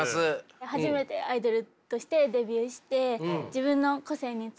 初めてアイドルとしてデビューして自分の個性について悩んでます。